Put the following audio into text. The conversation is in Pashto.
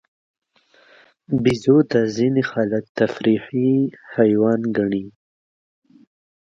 بیزو ته ځینې خلک تفریحي حیوان ګڼي.